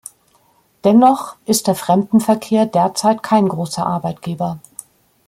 Dennoch ist der Fremdenverkehr derzeit kein grosser Arbeitgeber.